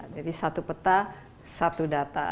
jadi satu peta satu data